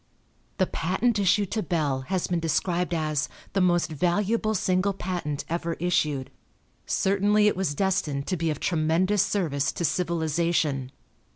The patent issued to Bell has been described as "the most valuable single patent ever issued." Certainly it was destined to be of tremendous service to civilization.